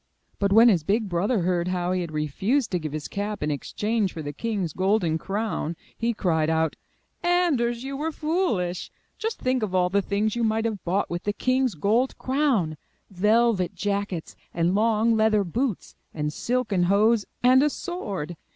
But when his big brother heard how he had refused to give his cap in exchange for the king^s golden crown, he cried out: ''Anders, you were foolish! Just think of all the things you might have bought with the king's gold crown! Velvet jackets and long leather boots and silken hose, and a sword.